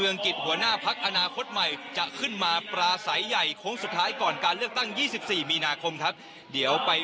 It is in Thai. และตั้งพรรณนี้เพื่อสามยุติยุติที่นึงยุติการสูดคลอดนักลงกล้าน